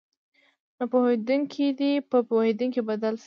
نه پوهېدونکي دې په پوهېدونکي بدل شي.